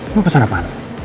lo pesen apaan